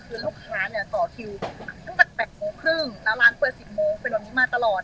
คือลูกค้าต่อคิวตั้งจาก๘๓๐นแล้วร้านเปิด๑๐นเป็นวันนี้มาตลอด